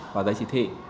và giấy chỉ thị